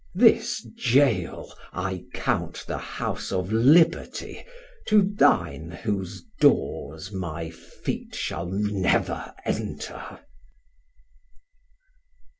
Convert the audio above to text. This Gaol I count the house of Liberty To thine whose doors my feet shall never enter.